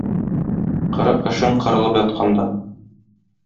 Кырык эшең кырылып ятканда.